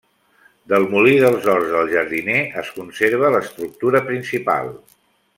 Del Molí dels Horts del Jardiner es conserva l'estructura principal.